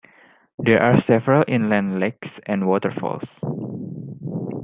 There are several inland lakes and waterfalls.